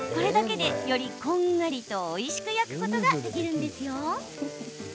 これだけで、よりこんがりとおいしく焼くことができるんです。